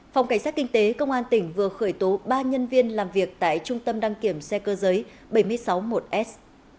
phòng cảnh sát kinh tế công an tỉnh vừa khởi tố ba nhân viên làm việc tại trung tâm đăng kiểm xe cơ giới bảy trăm sáu mươi một s